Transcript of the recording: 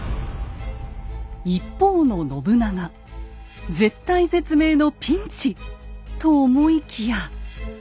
一方の信長絶体絶命のピンチ！と思いきや。